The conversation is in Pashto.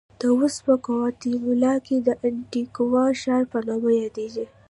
دا اوس په ګواتیمالا کې د انتیګوا ښار په نامه یادېږي.